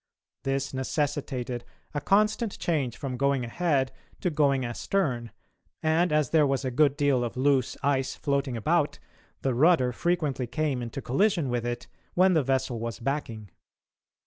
This necessitated a constant change from going ahead to going astern, and, as there was a good deal of loose ice floating about, the rudder frequently came into collision with it when the vessel was backing.